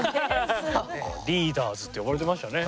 「リーダーズ」って呼ばれてましたね。